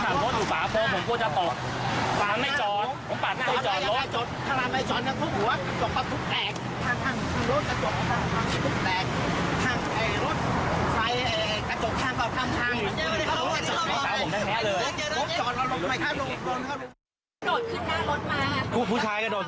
แล้วเขาก็พยายามให้เราจะจอดรถค่ะ